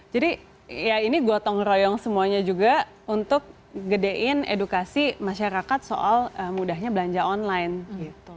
jadi ya ini gua tong royong semuanya juga untuk gedein edukasi masyarakat soal mudahnya belanja online gitu